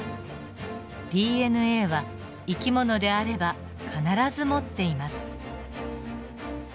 ＤＮＡは生き物であれば必ず持っています。